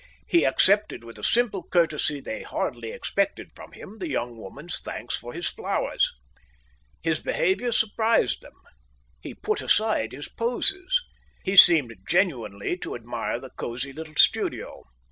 He accepted with a simple courtesy they hardly expected from him the young woman's thanks for his flowers. His behaviour surprised them. He put aside his poses. He seemed genuinely to admire the cosy little studio.